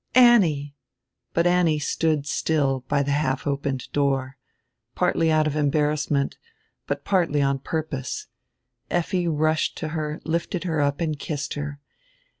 "Annie!" But Annie stood still by die half opened door, partly out of embarrassment, but partly on purpose. Effi rushed to her, lifted her up, and kissed her.